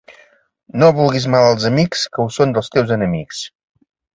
No vulguis mal als amics que ho són dels teus enemics.